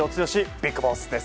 ビッグボスです。